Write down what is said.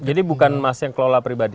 jadi bukan mas yang kelola pribadi